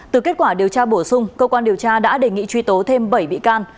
từ kết quả điều tra bổ sung cơ quan điều tra đã đề nghị truy tố thêm bảy bị can